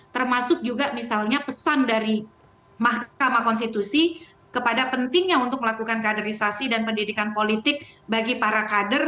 termasuk juga misalnya pesan dari mahkamah konstitusi kepada pentingnya untuk melakukan kaderisasi dan pendidikan politik bagi para kader